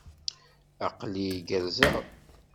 Aql-i gerrzeɣ.